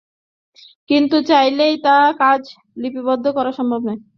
কিন্তু চাইলেই তার কাজ প্রতিলিপি করা সম্ভব না।